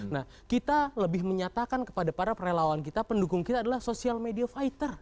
nah kita lebih menyatakan kepada para relawan kita pendukung kita adalah social media fighter